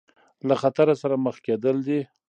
له خطر سره مخ کېدل دي.